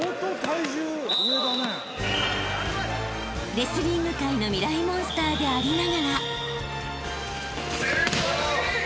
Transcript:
［レスリング界のミライ☆モンスターでありながら］